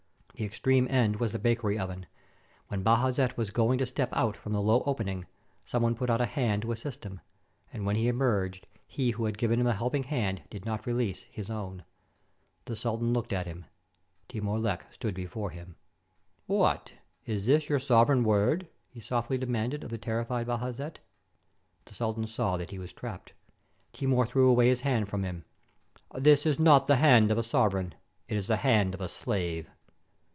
The extreme end was the bakery oven. When Bajazet was going to step out from the low opening, some one put out a hand to assist him; and when he emerged, he who had given him a helping hand did not release his own. The sultan looked at him. Timur Lenk stood before him! "What! Is this your sovereign word ?" he softly de manded of the terrified Bajazet. The sultan saw that he was trapped. Timur threw away his hand from him :— "This is not the hand of a sovereign. It is the hand of a slave."